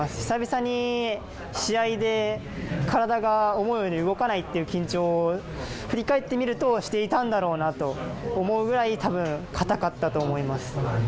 久々に試合で、体が思うように動かないという緊張を振り返ってみるとしていたんだろうなと思うぐらい、硬かったと思います。